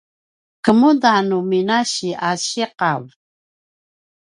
kemuda nu minasi a ciqav?